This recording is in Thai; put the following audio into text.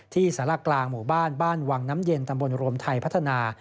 สาระกลางหมู่บ้านบ้านวังน้ำเย็นตำบลรวมไทยพัฒนา